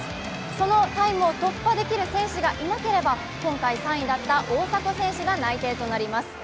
そのタイムを突破できる選手がいなければ今回３位だった大迫選手が内定となります。